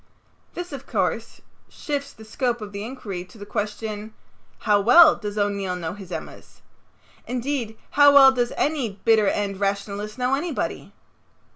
This, of course, shifts the scope of the inquiry to the question, "How well does O'Neill know his Emmas?" Indeed, how well does any bitter end rationalist know anybody?